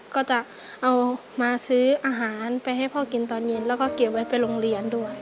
ก็จะเอามาซื้ออาหารไปให้พ่อกินตอนเย็นแล้วก็เก็บไว้ไปโรงเรียนด้วย